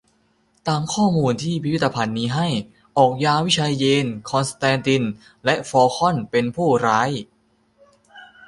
ตามข้อมูลที่พิพิธภัณฑ์นี้ให้ ออกญาวิไชเยนทร์ คอนสแตนติน ฟอลคอน เป็นผู้ร้าย